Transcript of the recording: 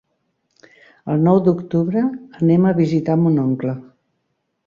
El nou d'octubre anem a visitar mon oncle.